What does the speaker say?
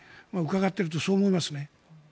伺っていると、そう思いますね。